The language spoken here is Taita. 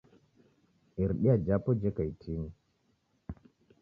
Iridia japo jeka itini